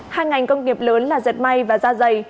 hai ngành công nghiệp lớn là dệt may và da dày